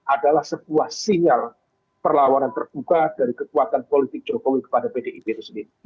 adalah sebuah sinyal perlawanan terbuka dari kekuatan politik jokowi kepada pdip itu sendiri